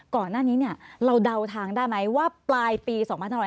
ก่อนหน้านี้เราเดาทางได้ไหมว่าปลายปี๒๕๖๐